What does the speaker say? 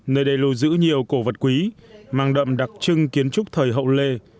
nơi đầy lùi giữ nhiều cổ vật quý mang đậm đặc trưng kiến trúc thời hậu lê